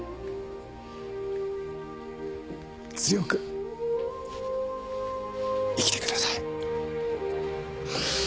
強く生きてください。